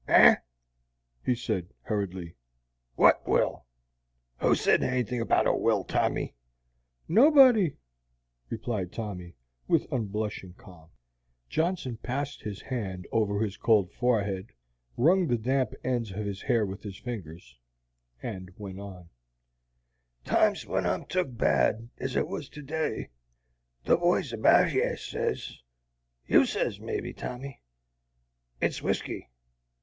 "Eh?" he said, hurriedly, "wot will? Who said anythin' 'bout a will, Tommy?" "Nobody," replied Tommy, with unblushing calm. Johnson passed his hand over his cold forehead, wrung the damp ends of his hair with his fingers, and went on: "Times when I'm took bad ez I was to day, the boys about yer sez you sez, maybe, Tommy it's whiskey.